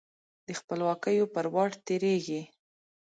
د خپلواکیو پر واټ تیریږې